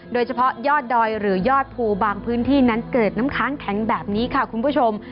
โดยเฉพาะยอดดอยหรือยอดภูบางพื้นที่นั้นเกิดน้ำค้างแข็งแบบนี้ค่ะคุณผู้ชม